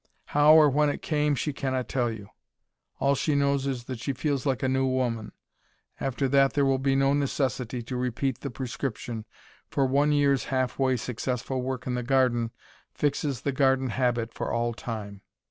How or when it came she cannot tell you. All she knows is that she feels like a new woman. After that there will be no necessity to repeat the prescription, for one year's half way successful work in the garden fixes "the garden habit" for all time.